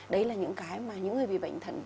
đấy là những cái mà những người bị bệnh thận